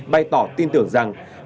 bày tỏ tin tưởng rằng